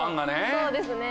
そうですね。